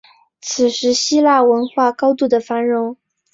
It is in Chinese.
此时期希腊文化高度的繁荣